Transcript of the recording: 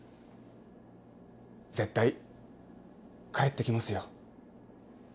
絶対帰って来ますよ。